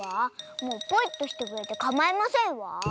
もうポイっとしてくれてかまいませんわ。